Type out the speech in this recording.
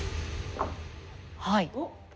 はい。